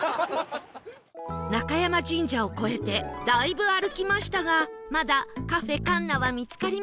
中山神社を越えてだいぶ歩きましたがまだカフェかんなは見つかりません